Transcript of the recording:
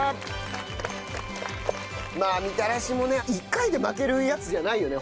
まあみたらしもね１回で負けるやつじゃないよね